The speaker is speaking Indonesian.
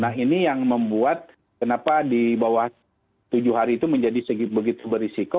nah ini yang membuat kenapa di bawah tujuh hari itu menjadi begitu berisiko